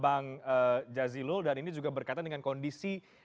bang jazilul dan ini juga berkaitan dengan kondisi